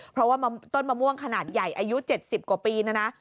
เพราะว่าต้นมะม่วงขนาดใหญ่อายุ๗๐กว่าปีนะนะ